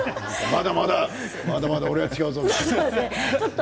まだまだ俺は違うぞと。